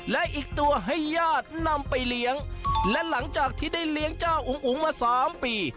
และอีกตัวให้ญาตินำไปเลี้ยงและหลังจากที่ได้เลี้ยงเจ้าอุ๋งอุ๋งมาสามปี